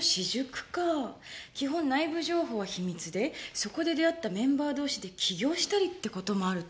「基本内部情報は秘密でそこで出会ったメンバー同士で起業したりって事もある」と。